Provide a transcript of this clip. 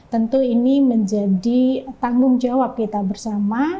tentu ini menjadi tanggung jawab kita bersama